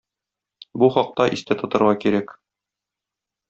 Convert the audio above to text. Бу хакта истә тотырга кирәк.